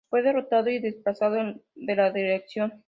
Fue derrotado y desplazado de la dirección.